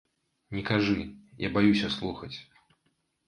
Не кажы, я баюся слухаць.